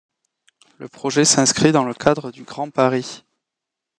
Le projet s'inscrit dans le cadre du Grand Paris.